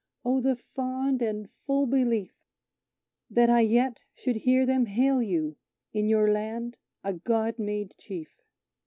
Oh, the fond and full belief That I yet should hear them hail you in your land a God made chief!